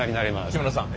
木村さん。